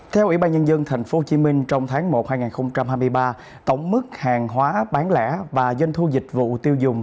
theo ủy ban nhân dân tp hcm trong tháng một hai nghìn hai mươi ba tổng mức hàng hóa bán lẻ và doanh thu dịch vụ tiêu dùng